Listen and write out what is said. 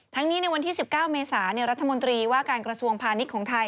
นี้ในวันที่๑๙เมษารัฐมนตรีว่าการกระทรวงพาณิชย์ของไทย